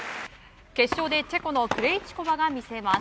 決勝でチェコのクレイチコバが見せます。